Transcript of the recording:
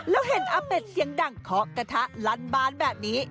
แล้วเห็นอาเป็ดเสียงดังเคาะกระทะลันบานแบบนี้